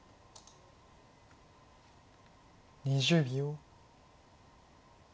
２０秒。